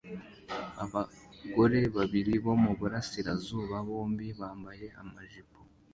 Abagore babiri bo muburasirazuba bombi bambaye amajipo